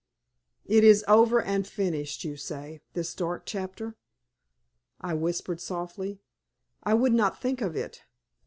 "It is over and finished, you say, this dark chapter," I whispered, softly. "I would not think of it."